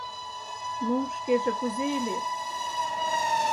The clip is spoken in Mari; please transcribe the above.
— Ну, шкеже кузе илет?